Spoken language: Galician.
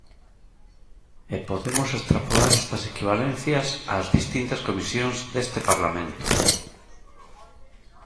E podemos extrapolar estas equivalencias ás distintas comisións deste Parlamento.